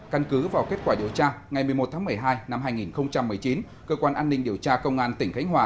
căn cứ vào kết quả điều tra ngày một mươi một tháng một mươi hai năm hai nghìn một mươi chín cơ quan an ninh điều tra công an tỉnh khánh hòa